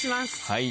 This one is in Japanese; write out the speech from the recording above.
はい。